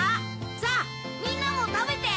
さぁみんなもたべて！